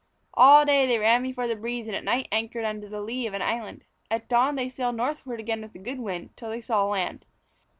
All day they ran before the breeze and at night anchored under the lee of an island. At dawn they sailed northward again with a good wind, till they saw land.